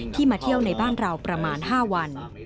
มาเที่ยวในบ้านเราประมาณ๕วัน